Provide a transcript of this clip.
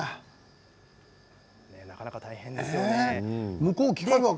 なかなか大変ですよね。